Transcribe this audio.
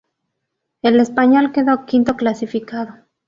El Español quedó quinto clasificado.